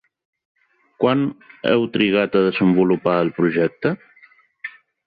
Quant heu trigat a desenvolupar el projecte?